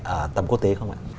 ở tầm quốc tế không ạ